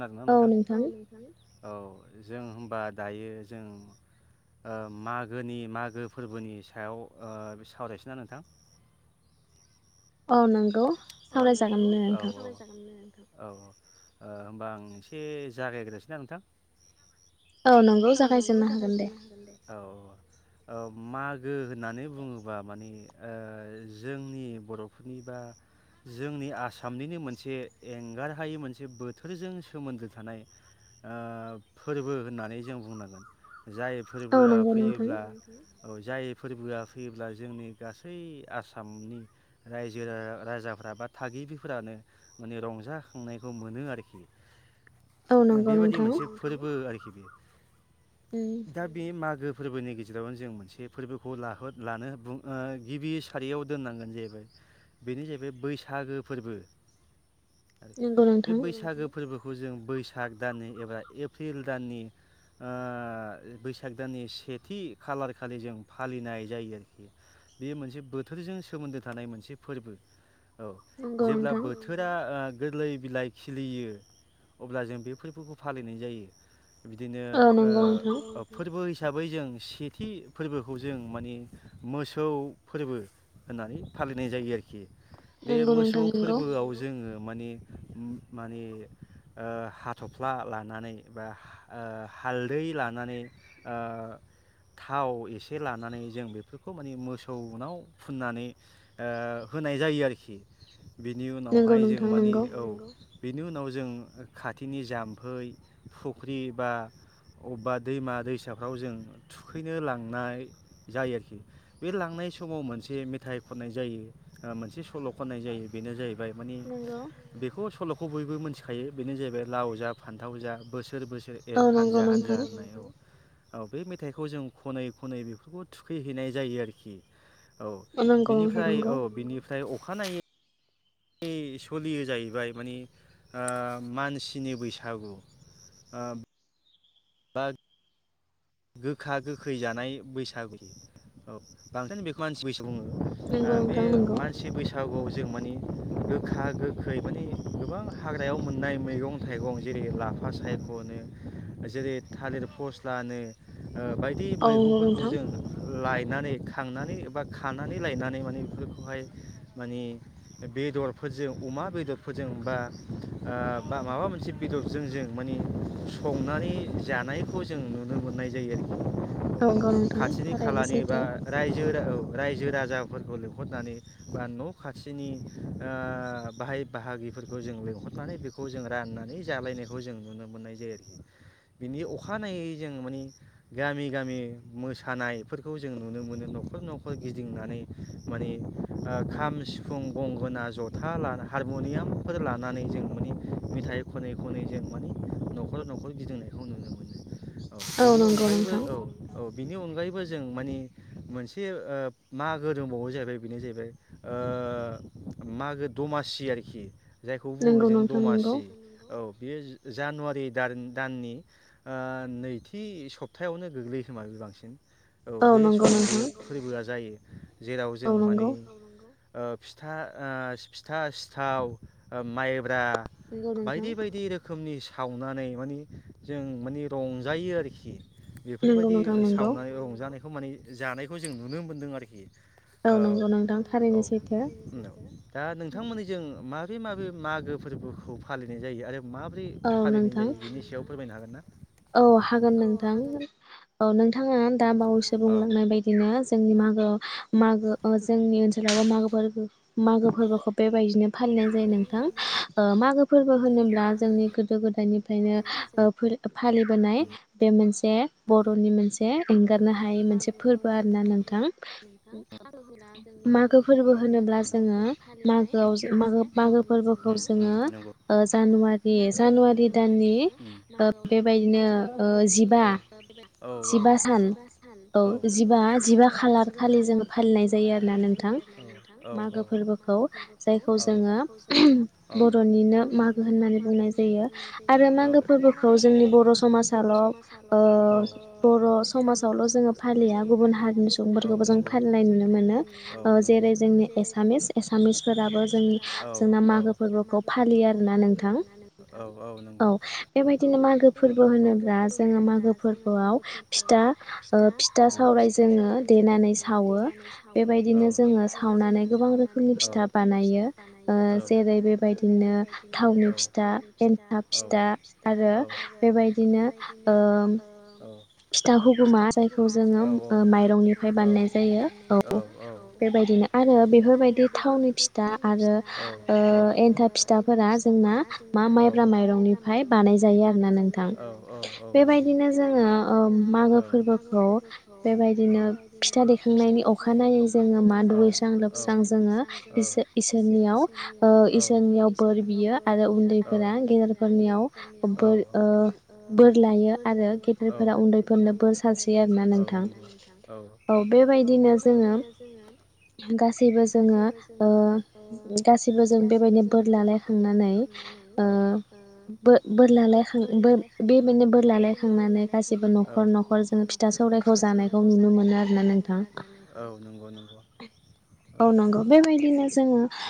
खोनदोंना नोंथां औ नोंथां औ जों हबा दायो जों ओ मागोनि मागो फोरबोनि सायाव ओ सावरायसा नोंथां? औ नंगौ औ नंगौ साधराम जागोन दे नोंथां औ होमबा आं एसे जागायग्रोसैना नोंथां। औ नोंगौ जागायजननो हागोन दे औ मागो होननानै बुङोबा माने जोंनि बर'फोरनि बा जोंनि आसामनिनो मोनसे एंगार हायै मोनसे बोथोरजों सोमोन्दो थानाय फोरबो होननानै जों बुंनांगोन। जाय फोरबोआ फैयोब्ला औ जाय फोरबोआ फैयोब्ला जोंनि गासै आसामनि रायजो राजाफोरा बा थागिबिफोरानो माने रंजाखांनायखौ मोनो आरोखि। बेबायदि मोनसे फोरबो आरोखि बेयो दा बे गो बैसागो फोरबोनि गेजेरावनो जों मोनसे फोरबोखौ लाहो लानो गिबि सारियाव दोननांगोन जाहैबाय बेनो जाहैबाय बैसागो फोरबो आरो बे बैसागो फोरबोखौ बे खौ जों बैसाग दाननि एबा एप्रिल दाननि बैसाग दाननि सेथि खालार खालि जों फालिनाय जायो आरोखि बेयो मोनसे बोथोरजों सोमोन्दो थानाय मोनसे फोरबो औ जेब्ला बोथोरा गोरलै बिलाइ खिलियो अब्ला जों बे फोरबोखौ फालिनाय जायो बिदिनो फोरबो हि हिसाबै जों सेथि फोरबोखौ जों माने मोसौ फोरबो होननानै फालिनाय जायो आरोखि। बे मोसौ फोरबोआव जोङो माने माने ओ हाथ'फ्ला लानानै बा हालदै लानानै थाव एसे लानानै जों बेफोरखौ माने मोसौनाव फुननानै होनाय जायो आरोखि बिनि उनावहाय जों मानि औ बेनि उनाव जों खाथिनि जाम्फै फुख्रि बा अबेबा दैमा दैसाफ्राव जों थुखैनो लांनाय जायो आरोखि बे लांनाय समाव मोनसे मेथाइ खननाय जायो मोनसे सल' खननाय जायो बेनो जाहैबाय माने बेखौ सल'खौ बयबो मोनथिखायो बेनो जाहैबाय लाव जा फान्थाव जा बोसोर बोसोर एर हानजा हानजा होननाय औ औ बे मेथाइखौ जों खनै खनै बेफोरखौ थुखैहैनाय जायो आरोखि। औ बिनिफ्राय औ बिनिफ्राय अखानायै खि सोलियो जाहैबाय माने मानसिनि बैसागु बा गोखा गोखै जानाय बैसागु औ बांसिन बेखौ मानसि बैसागु नंगौ नोंथां नंगौ। जों माने गोखा गोखै माने गोबां हाग्रायाव मोननाय मैगं थाइगं जेरै लाफा सायख'नो जेरै थालिर फस्लानो बायदि मैगंफोरखौ जों लाय नानै खांनानै बा खानानै लायनानै माने बेफोरखौहाय माने बेदरफोरजों अमा बेदरफोरजों बा बा माबा मोनसे बेदरजों जों माने संनानै जानायखौ जों नुनो मोननाय जैयो। खाथिनि खालानि बा रायजो औ रायजो राजाफोरखौ लिंहरनानै बा न' खाथिनि ओ बाहाय बाहागिफोरखौ जों लिंहरनानै बेखौ जों राननानै जालायनायखौ जों नुनो मोननाय जायो बिनि अखानायै जों माने गामि गामि मोसानायफोरखौ जों नुनो मोनो न'खर न'खर गिदिंनानै माने ओ खाम सिफुं गंगोना जथा लाना हारम'नियामफोर लानानै जों माने मेथाइ खनै खनै जों माने न'खर न'खर गिदिंनायखौ नुनो मोनो। बेनि अनगायैबो औ औ। बिनि अनगायैबो जों मानि मोनसे ओ मागो दंबावो जाहैबाय बेनो जाहैबाय ओ मागो दमासि आरोखि। जायखौ बुङो जों दमासि औ बेयो जानुवारि दानि दाननि ओ नैथि थि सप्तायावनो गोग्लैखोमा बेयो बांसिन औ बे समाव बेयो फोरबोआ जायो। जेराव जों माने ओ फिथा ओ फिथा सिथाव ओ माइ ब्रा बायदि बायदि रोखोमनि सावनानै मानि जों माने रंजायो आरो। खि बेफोरबायदि ओ सावनानै रंजानाय माने जानायखौ जों नुनो मोन्दों आरोखि। औ औ दा नोंथांमोननि जों मा बे मा बे मागो फोरबोखौ फालिनाय जायो आरो माबोरै फालिनाय जायो बेनि सायाव फोरमायनो हागोन ना? औ हाग गोन नोंथां औ नों नोंथाङा दा बावैसो बुंलांनाय बायदिनो जोंनि मागो मागो ओ जोंनि ओनसोलावबो मागो फोरबो मागो फोरबोखौ बेबायदिनो फालिनाय जायो नोंथां ओ मागो फोरबो होनोब्ला जोंनि गोदो गोदायनि ओंखायनो ओ फोर फालिबोनाय बे मोनसे से बर'नि मोनसे अ मागो अ जों मोन नोंथां होनबोला फालियोब्ला जों गोदो गोदायनिफ्रायनो ओ फोर फालिबाय बे मोनसे बर'नि मोनसे नोंथां औ नोंथां मागो फोरबो होनोब्ला जोङो मागोआव फानजा नरलानि ओ औ औ औ जिबा सान औ औ जिबा जिबा खालार खालि जोङो फालिनाय जायो आरोोना नोंथां मागो फोरबोखौ जायखौ जोङो बर'निनो मागो होननानै बुंनाय जायो आरो खौ जोंनि बर' समाजाल' ओ बर' बर' समाजावल' जोङो फालिया। औ नंगौ। गुबुन हारिनिफोरखौबो जों फालिनाय नुनो मोना जेरै जोंनि एसामिस एसामिसफोराबो जों जोंना मागो फोरबोखौ फालियो आरोना नोंथां। औ औ नंगौ। बेबायदिनो मागो फोरबो होनोब्ला जोङो मागो फोरबोआव फिथा ओ फिथा सावराय जोङो देनानै सावो बेबायदिनो जोङो सावनानै गोबां रोखोमनि फिथा बानायो ओ जेरै बेबायदिनो थावनि फिथा एन्थाब फिथा दा औ आरो बेबायदिनो ओ औ फिथा हगुमा जायखौ जोङो ओ माइरंनिफ्राय बानायनाय जायो औ बेबायदिनो आरो बेफोरबायदि थावनि फिथा आरो ओ एन्थाब फिथाफोरा जोंना मा माइब्रा माइरंनिफ्राय बानाय जायो आरोना नोंथां बेबायदिनो जोङो ओम मागो फोरबोखौ बेबायदिनो फिथा दैेखांनायनि अखानायै जोङो मा दुगैस्रां लोबस्रां जोङो इसो-इसोरनियाव ओ इसोरनियाव बोर बियो आरो उन्दैफोरा गेदेरफोरनियाव बोर ओ बोर लायो आरो गेदेर बोर सारस्रि आरोना नोंथां औ बेबायदिनो जोङो गासैबो जोङो ओ गासैबो जोङो ओ बेबायदिनो बोर लालायखांनानै ओ बो-बोर लालायखां बोब बेबायदिनो बोर लालायखांनानै सिबो न'खर न'खर न'खर जोङो फिथा सौरायखौ जानायखौ नुनो मोनो आरोना नोंथां। औ नोंगौ नोंगौ औ। औ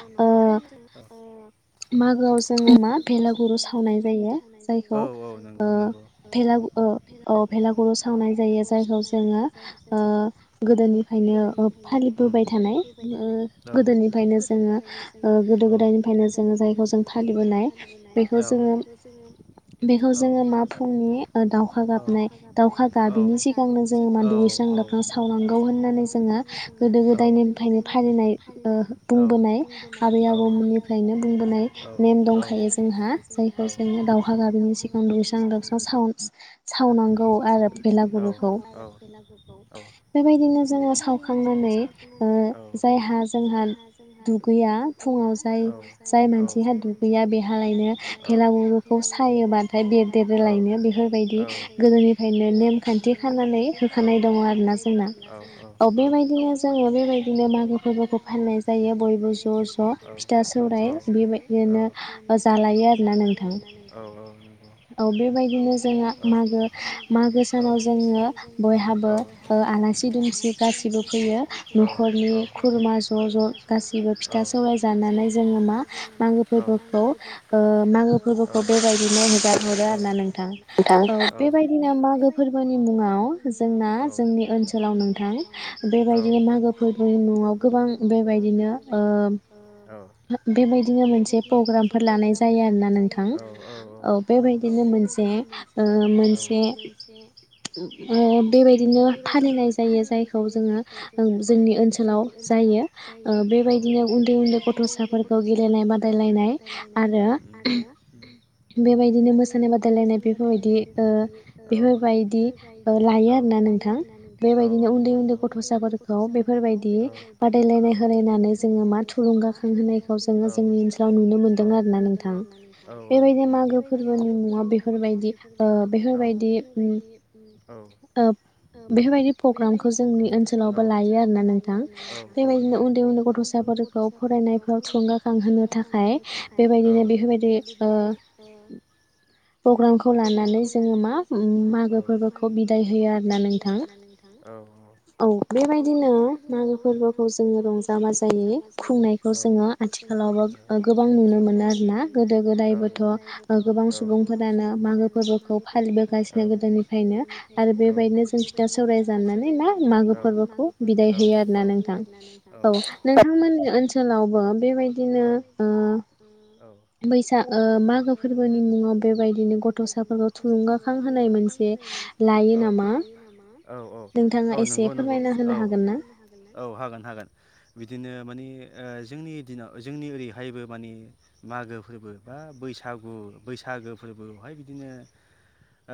औ नोंगौ नोंगौ। अ भेलागुरु सावनाय जायो जायखौ जोङो ओ गोदोनिफायनो फालिबोबाय थानाय ओ गोदोनिफायनो औ औ औ औ। दावखा गाबिनि सिगांनो जोङो मा दुगैस्रां लोमस्रां सावनांगौ होननानै जोङो गोदो गोदायनिफायनो फालिनाय ओ बुंबोनाय आबै आबौमोननिफ्रायनो बुंबोनाय नेम दंखायो जोंहा जायखौ जोङो दावखा गाबैनि सिगां दुगैस्रां लोबस्रां साउ औ औ औ औ औ औ औ औ। बायदि गोदोनिफ्रायनो नेमखान्थि खालामनानै होखानाय दं आरोना जोंना औ बेबायदिनो जोङो बेबायदिनो मागो फोरबोखौ फालिनाय जायो बयबो ज' ज' फिथा सौराइ बिदिनो जालायो आरोोना न बेबायदिनो मागो मागो सानाव जोङो बयहाबो ओ आलासि दुमसि गासिबो फैयो न'खरनि खुरमा ज' ज' गासिबो फिथा सौराय जानानै जोङो मा मागो फोरबोखौ ओ मागो फोरबोखौ बेबायदिनो हगार हरो आरोना नोंथां। औ बेबायदिनो मागो फोरबोनि मुङाव जोंना जोंनि ओनसोलाव नोंथां बेबायदिनो मागो फोरबोनि मुङाव गोबां बेबायदिनो ओ बेबायदिनो मोनसे प्रग्रामफोर लानाय जायो आरोना नोंथां। औ बेबायदिनो मोनसे बे ओ मोनसे बे-बेबायदिनो फालिनाय जायो जायखौ जोङो जोंनि ओनसोलाव जायो ओ बेबायदिनो उन्दै उन्दै गथ'साफोरखौ गेलेनाय बादायलायनाय आरो बेबायदिनो मोसानाय बाद बायदि [unintelligible] [unintelligible] औ औ औ औ औ नोंगौ। प्रग्रामखौ लानानै जोङो मा मागो फोरबोखौ बिदाय होयो आरो ना नोंथां औ बेबायदिनो मागो फोरबोखौ जोंङो रंजा बाजायै खुंनायखौ जोङो आथिखालावबो गोबां नुनो मोनो आरोना गोदो गोदायबोथ' गोबां सुबुं फोरानो मागो फोरबोखौ औ फालिबोगासिनो गोदोनिफ्रायनो औ आरो बेबायदिनो जों फिथा सौराय जानानै औ मागो फोरबोखौ औ बिदिहोयो औ आरोना नोंथां नोंथांमोननि ओनसोलावबो औ बेबायदिनो ओ बैस मागो फोरबोनि मुङाव बेबायदिनो गथसाफोरखौ थुुंलुंगाखां होनाय मोनसे लायो नामा औ औ औ औ नंगौ नंगौ औ औ हागोन हागोन बिदिनो मानि ओ जोंनि दिनाव जोंनि ओरैहायबो मानि मागो फोरबो बा बैसागु बैसागो फोरबो बेहाय ओ बिदिनो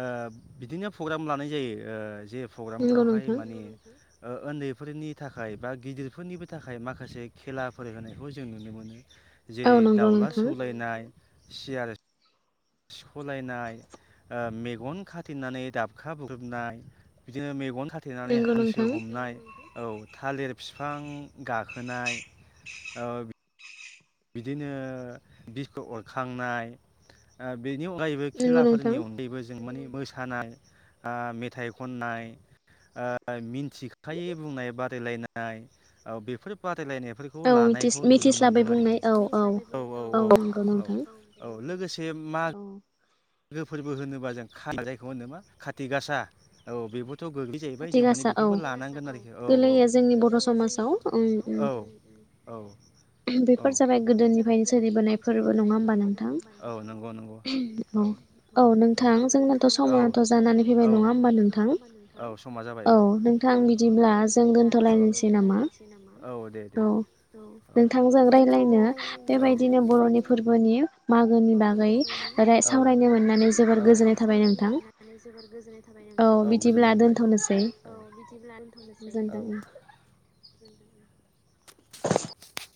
ओ बिदिनो प्रग्राम लानाय जायोे जेब प्रग्रामफ्रावहाय माने ओ उन्दैफोरनि थाखाय बा गिदिरफोरनिबो थाखाय माखासे खेला फोर होनोनायखौ जों नुनो मोनो जेरै दाउला सौलायनाय सेयार सिख'लायनाय ओ मेगन खाथनानै दाबखा बोग्रोमनाय बिदिनो मेगन खााथेनानै हांसो हमनाय औ थालिर बिफां गाखोनाय औ बिदिनो बिसकुत अरखांनाय ओ बेनि अनगायैबो खेलाफोरनि अनगायैबो जों मानि मोसानाय ओ मेथाइ खननाय ओ मिन्थिखायै बुंनाय बादायलायनाय बेफोर बाद बादायलायनायफोरखौ लानायखौ नुनो मोन्दों आरोखि मिथिस्लाबै बुंनाय औ औ औ औ औ लोगोसे मा मागो फोरबो होनोबा जों जायखौ होनोब मा खाथि गासा औ बेबो थ गोग्लै जाहैबाय जों माने बेखौबो लानांगोन आरोखि औ औ औ औ बेफोर जाबाय गोदोनिफ्रायनो सोलिबोनाय फोरबो नङा होनबा नोंथां औ नोंगौ नोंगौ औ औ नोंथांथ' समायथ' साननानै फैबाय नङा होमबा नोंथां समा जाबाय औ औ नोंथां बिदिब्ला जों दोनथ'लायसै नामा औ दे दे औ औ रायलायनो बेबायदिनो बर'नि फोरबोनि नि फोरबोनिनि बागै सावरायनो मोननानै जोबोर गोजोननाय थाबाय नोंथां औ गोजोन्नाय मोनबाय। औ बिदिब्ला दोनथ'नोसै औ [inaudible]